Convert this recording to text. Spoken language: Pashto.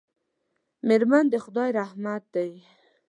میرمن د خدای رحمت دی.